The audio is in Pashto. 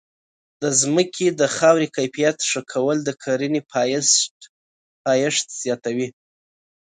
د ځمکې د خاورې کیفیت ښه کول د کرنې پایښت زیاتوي.